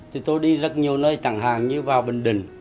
thì tôi đi rất nhiều nơi chẳng hạn như vào bình định